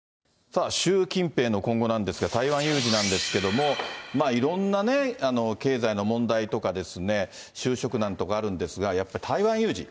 さあ、習近平の今後なんですが、台湾有事なんですけれども、いろんな経済の問題とかですね、就職難とかあるんですが、やっぱ台湾有事。